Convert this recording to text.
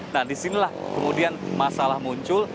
nah di sinilah kemudian masalah muncul